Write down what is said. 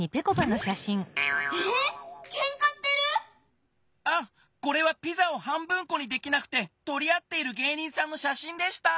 ええっけんかしてる⁉あこれはピザを半分こにできなくてとりあっている芸人さんのしゃしんでした！